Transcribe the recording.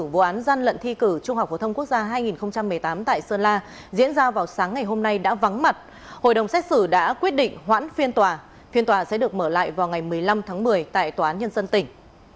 kênh tòa sẽ được mở lại vào ngày một mươi năm tháng một mươi tại tòa án nhân dân tỉnh